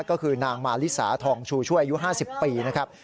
ก็คือนางมาลิสาทองชูช่วยอายุ๕๐ปีนะครับ